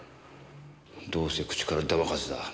どうせ口から出まかせだ。